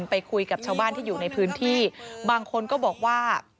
ไปคุยกับชาวบ้านที่อยู่ในพื้นที่บางคนก็บอกว่า